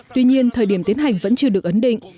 tuy nhiên thời điểm tiến hành vẫn chưa được ấn định